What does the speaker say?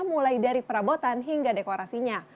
mulai dari perabotan hingga dekorasinya